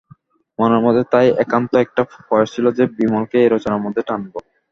মনের মধ্যে তাই একান্ত একটা প্রয়াস ছিল যে বিমলকেও এই রচনার মধ্যে টানব।